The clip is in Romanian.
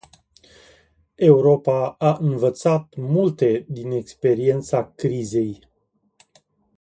Europa a învățat multe din experiența crizei.